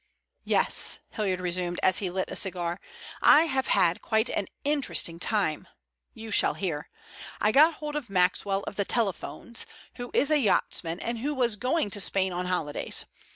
"Yes," Hilliard resumed as he lit a cigar, "I have had quite an interesting time. You shall hear. I got hold of Maxwell of the telephones, who is a yachtsman, and who was going to Spain on holidays.